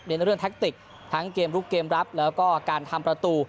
เรื่องแท็กติกทั้งเกมลุกเกมรับแล้วก็การทำประตู